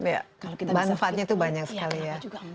manfaatnya itu banyak sekali ya